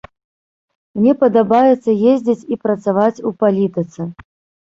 Мне падабаецца ездзіць і працаваць у палітыцы.